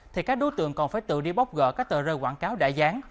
thì các đối tượng còn phải tự đi bóc gỡ các tờ rơi quảng cáo đã dán